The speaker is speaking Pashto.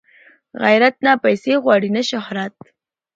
غیرت نه پیسې غواړي نه شهرت